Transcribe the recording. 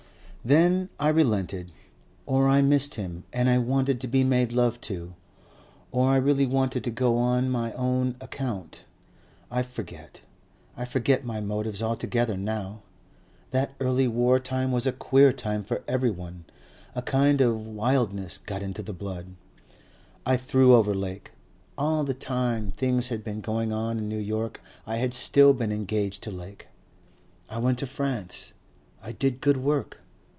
"Then I relented. Or I missed him and I wanted to be made love to. Or I really wanted to go on my own account. I forget. I forget my motives altogether now. That early war time was a queer time for everyone. A kind of wildness got into the blood.... I threw over Lake. All the time things had been going on in New York I had still been engaged to Lake. I went to France. I did good work.